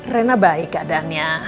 rena baik keadaannya